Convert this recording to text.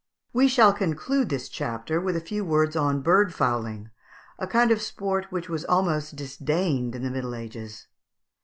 ] We shall conclude this chapter with a few words on bird fowling, a kind of sport which was almost disdained in the Middle Ages.